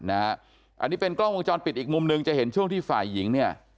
อันนี้เป็นกล้องวงจรปิดอีกมุมหนึ่งจะเห็นช่วงที่ฝ่ายหญิงเนี่ย